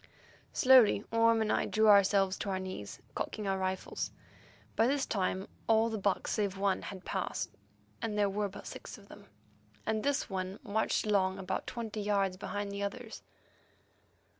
Slowly Orme and I drew ourselves to our knees, cocking our rifles. By this time all the buck save one had passed; there were but six of them, and this one marched along about twenty yards behind the others.